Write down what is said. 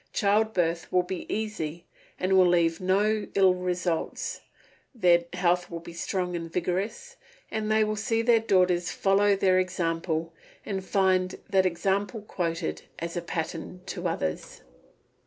Child birth will be easy and will leave no ill results, their health will be strong and vigorous, and they will see their daughters follow their example, and find that example quoted as a pattern to others.